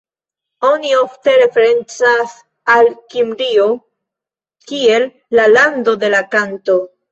Oni ofte referencas al Kimrio kiel la "lando de la kanto".